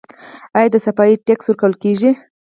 آیا د صفايي ټکس ورکول کیږي؟